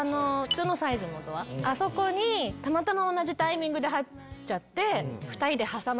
あそこにたまたま同じタイミングで入っちゃって。